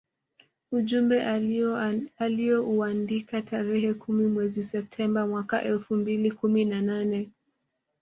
Ujumbe aliouandika tarehe kumi mwezi Septemba mwaka elfu mbili kumi na nane